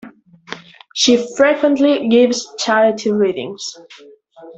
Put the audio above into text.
She frequently gives charity readings.